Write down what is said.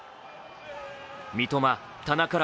三笘、田中ら